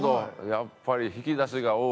やっぱり引き出しが多い。